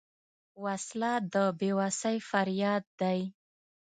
وسله د بېوسۍ فریاد دی